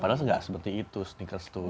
padahal nggak seperti itu